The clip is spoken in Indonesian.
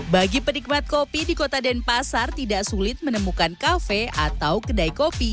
bagi penikmat kopi di kota denpasar tidak sulit menemukan kafe atau kedai kopi